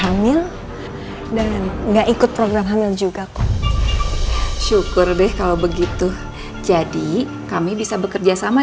hamil dan enggak ikut program hamil juga kok syukur deh kalau begitu jadi kami bisa bekerja sama